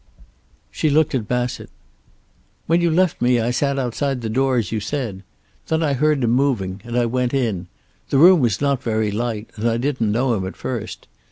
She looked at Bassett. "When you left me, I sat outside the door, as you said. Then I heard him moving, and I went in. The room was not very light, and I didn't know him at first.